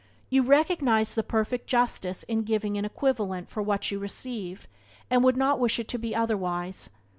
You recognize the perfect justice in giving an equivalent for what you receive, and would not wish it to be otherwise.